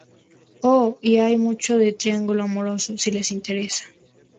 Oh, y hay mucho de triangulo amoroso, si les interesa.